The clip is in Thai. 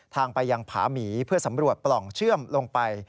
ทางไปยังผาหมีเพื่อสำรวจปล่องเชื่อมลงไป